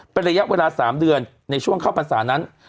เป็นระยะเวลา๓เดือนในช่วงเข้าพรรษานั้น